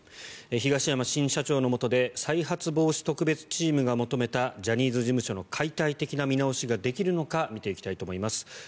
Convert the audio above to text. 東山新社長のもとで再発防止特別チームが求めたジャニーズ事務所の解体的な見直しができるのか見ていきたいと思います。